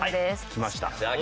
きました。